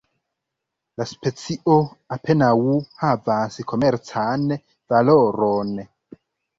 La specio apenaŭ havas komercan valoron.